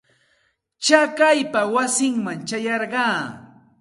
Chakaypa wasiiman ćhayarqaa.